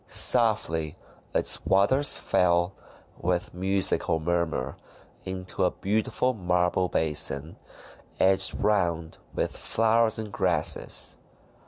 Softly its waters fell, with musical murmur, into a beautiful marble basin, edged round with flowers and grasses.